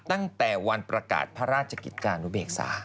ตั้งแต่วันประกาศพระราชกิจจานุเบกษา